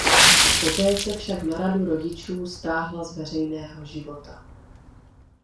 Poté se však na radu rodičů stáhla z veřejného života.